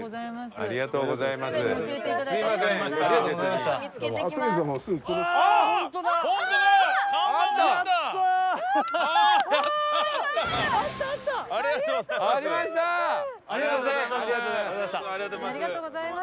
ありがとうございます。